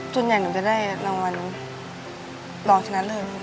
ส่วนใหญ่หนูจะได้รางวัลรองชนะเลิศ